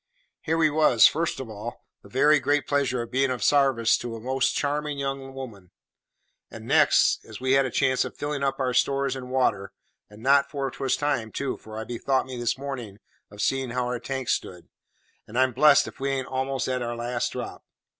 Here we has, fust of all, the very great pleasure of being of sarvice to a most charming young 'oman; and next, we has a chance of filling up our stores and water and not afore 'twas time, too, for I bethought me this morning of seeing how our tank stood, and I'm blest if we ain't a'most at our last drop.